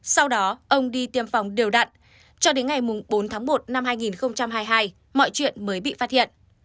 sau đó ông đi tiêm phòng đều đặn cho đến ngày bốn tháng một năm hai nghìn hai mươi hai mọi chuyện mới bị phát hiện